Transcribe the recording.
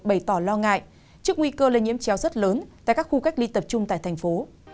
bày tỏ lo ngại trước nguy cơ lây nhiễm chéo rất lớn tại các khu cách ly tập trung tại thành phố